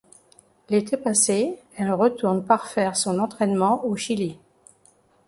L'été passé, elle retourne parfaire son entraînement au Chili.